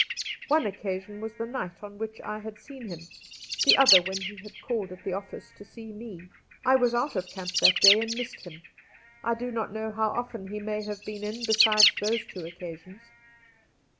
One occasion was the night on which I had seen him ; the other when he called at the office to see me. I was out of camp that day and missed him. I do not know how often he may have been in besides those two occasions.